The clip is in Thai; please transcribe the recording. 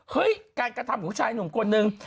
เฮ้ยการกระทำของผู้ชายหนุ่มกว่านึง